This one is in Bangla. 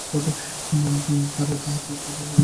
চারু তাহাতে খুশিও হইল, কষ্টও পাইল।